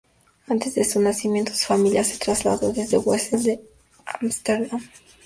Antes de su nacimiento, su familia se trasladó desde Wesel a Ámsterdam.